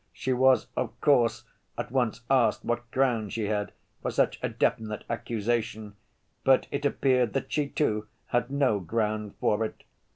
She was, of course, at once asked what ground she had for such a definite accusation; but it appeared that she, too, had no grounds for it.